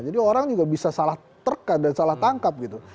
jadi orang juga bisa salah terkan dan salah tangkap gitu